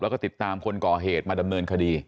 แล้วก็ติดตามคนก่อเหตุมาดำเนินคดี